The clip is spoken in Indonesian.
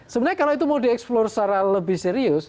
sebenarnya kalau itu mau dieksplor secara lebih serius